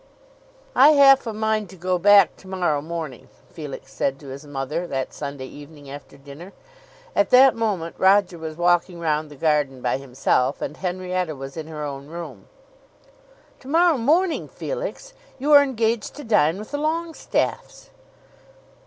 "I have half a mind to go back to morrow morning," Felix said to his mother that Sunday evening after dinner. At that moment Roger was walking round the garden by himself, and Henrietta was in her own room. "To morrow morning, Felix! You are engaged to dine with the Longestaffes!"